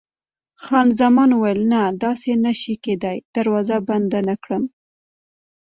خان زمان وویل: نه، داسې نه شي کېدای، دروازه بنده نه کړم.